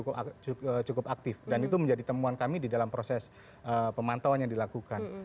cukup aktif dan itu menjadi temuan kami di dalam proses pemantauan yang dilakukan